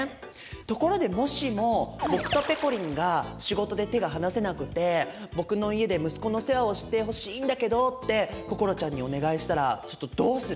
ところでもしも僕とぺこりんが仕事で手が離せなくて僕の家で「息子の世話をしてほしいんだけど」って心ちゃんにお願いしたらちょっとどうする？